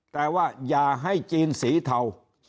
แต่ว่าอย่าให้จีนสีเทา